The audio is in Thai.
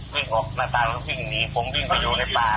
วิ่งออกหน้าตาลมันวิ่งหนีผมวิ่งไปอยู่ในป่า